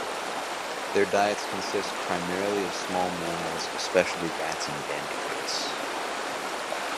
Their diets consist primarily of small mammals, especially rats and bandicoots.